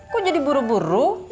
kok jadi buru buru